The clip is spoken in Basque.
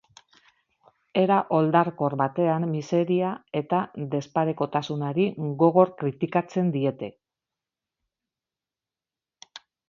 Era oldarkor batean miseria eta desparekotasunari gogor kritikatzen diete.